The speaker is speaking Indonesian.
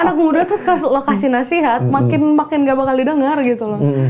anak muda tuh lo kasih nasihat makin gak bakal didengar gitu loh